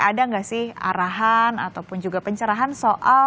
ada nggak sih arahan ataupun juga pencerahan soal